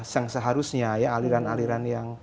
yang seharusnya ya aliran aliran yang